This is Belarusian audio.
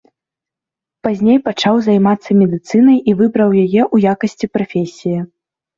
Пазней пачаў займацца медыцынай і выбраў яе ў якасці прафесіі.